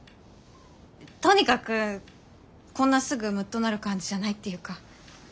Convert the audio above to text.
とにかくこんなすぐムッとなる感じじゃないっていうか。